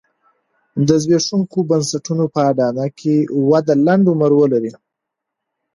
د زبېښونکو بنسټونو په اډانه کې وده لنډ عمر ولري.